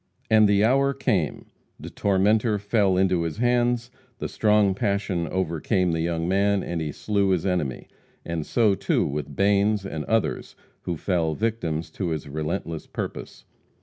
And the hour came; the tormentor fell into his hands; the strong passion overcame the young man, and he slew his enemy. And so, too, with Banes and others who fell victims to his relentless purpose.